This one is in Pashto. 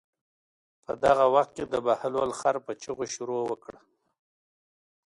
په دغه وخت کې د بهلول خر په چغو شروع وکړه.